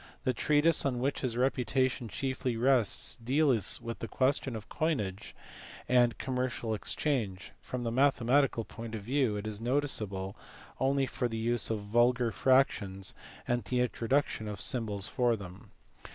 The treatise on which his reputation chiefly rests deals with questions of coinage and commercial exchange, from the mathematical point of view it is noticeable only for the use of vulgar fractions and the intro duction of symbols for them.